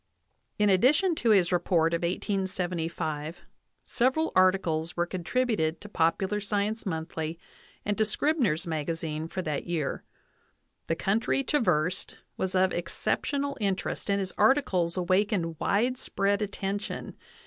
In addition to his re port of 1875, several articles were contributed to Popular Sci ence Monthly and to Scribners Magazine for that year. The country traversed was of exceptional interest and his articles awakened widespread attention.